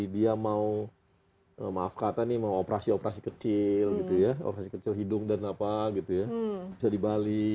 dia mau maaf kata nih mau operasi operasi kecil gitu ya operasi kecil hidung dan apa gitu ya bisa di bali